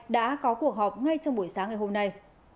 đã có cuộc họp ngay trong buổi sáng ngày hôm nay